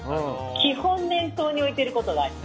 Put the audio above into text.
基本、念頭に置いていることがあります。